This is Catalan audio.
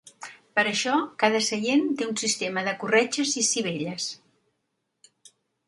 Per a això cada seient té un sistema de corretges i sivelles.